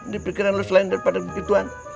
dipikirin lu selain daripada begituan